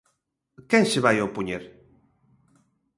¿Quen se vai opoñer?